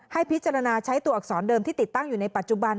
ให้พิจารณาใช้ตัวอักษรเดิมที่ติดตั้งอยู่ในปัจจุบัน